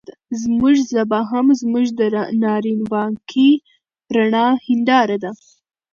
زموږ ژبه هم زموږ د نارينواکۍ رڼه هېنداره ده.